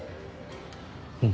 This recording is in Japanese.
うん。